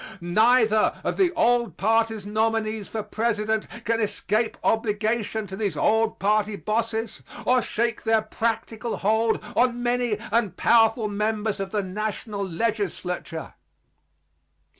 Neither of the old parties' nominees for President can escape obligation to these old party bosses or shake their practical hold on many and powerful members of the National Legislature.